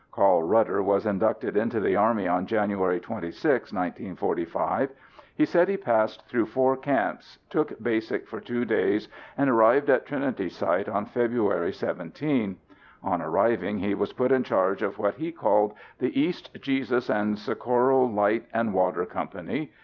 Carl Rudder was inducted into the Army on Jan. 26, 1945. He said he passed through four camps, took basic for two days and arrived at Trinity Site on Feb. 17. On arriving he was put in charge of what he called the "East Jesus and Socorro Light and Water Company."